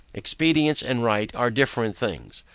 Expedience and right are different things.